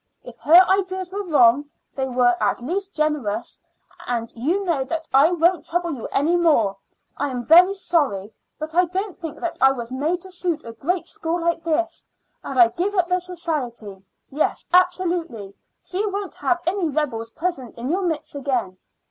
If her ideas were wrong, they were at least generous; and you know that I won't trouble you any more. I am very sorry, but I don't think that I was made to suit a great school like this, and I give up the society yes, absolutely so you won't have any rebels present in your midst again.